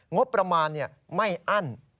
งบประมาณไม่อั้น